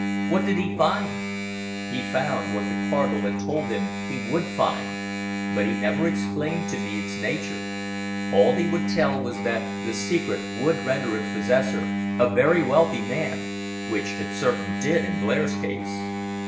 What did he find?" "He found what the Cardinal had told him he would find. But he never explained to me its nature. All he would tell was that the secret would render its possessor a very wealthy man which it certainly did in Blair's case."